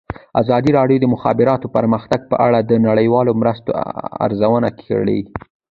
ازادي راډیو د د مخابراتو پرمختګ په اړه د نړیوالو مرستو ارزونه کړې.